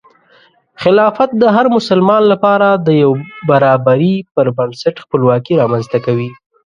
خلافت د هر مسلمان لپاره د یو برابري پر بنسټ خپلواکي رامنځته کوي.